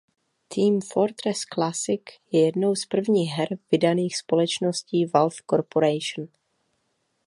Team Fortress Classic je jednou z prvních her vydaných společností Valve Corporation.